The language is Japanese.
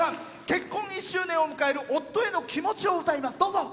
結婚１周年を迎える夫への気持ちを歌います。